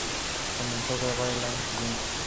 Comenzó a grabar al año siguiente.